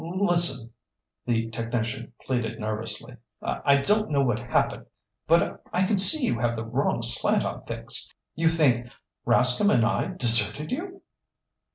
"Listen," the technician pleaded nervously, "I don't know what happened. But I can see you have the wrong slant on things. You think Rascomb and I deserted you?"